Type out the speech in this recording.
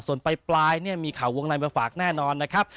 ส่วนปลายเนี่ยมีข่าววงในมาฝากแน่นอนนะครับ